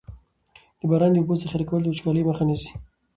د باران د اوبو ذخیره کول د وچکالۍ مخه نیسي.